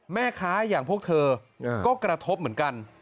แม่ค้าอย่างพวกเธอก็กระทบเหมือนกัน